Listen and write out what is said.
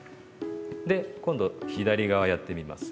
で今度左側やってみます。